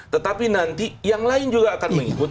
tetapi nanti yang lain juga akan mengikuti